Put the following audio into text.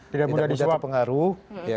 tidak mudah dipengaruh